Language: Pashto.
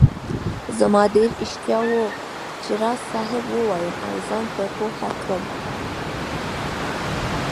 زما ډېر اشتياق وو چي راز صاحب ووايم او زان په پوهه کړم